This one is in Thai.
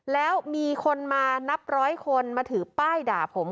แล้วมีคนมานับร้อยคนมาถือป้ายด่าผม